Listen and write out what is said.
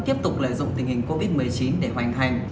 tiếp tục lợi dụng tình hình covid một mươi chín để hoành hành